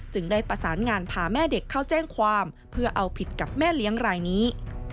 ได้ประสานงานพาแม่เด็กเข้าแจ้งความเพื่อเอาผิดกับแม่เลี้ยงรายนี้